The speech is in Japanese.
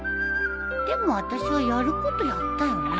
でもあたしはやることやったよね